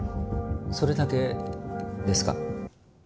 それだけですか？